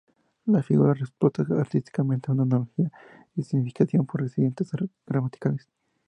La figura explota artísticamente una "analogía de significación por accidentes gramaticales".